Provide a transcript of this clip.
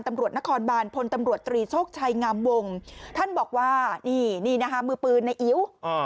ตำรวจนครบานพลตำรวจตรีโชคชัยงามวงท่านบอกว่านี่นี่นะคะมือปืนในอิ๋ว